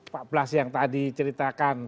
pak blasi yang tadi ceritakan